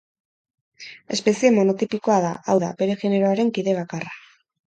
Espezie monotipikoa da, hau da, bere generoaren kide bakarra.